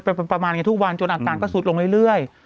ประมาณอย่างนี้ทุกวันจนอาการก็สุดลงเรื่อย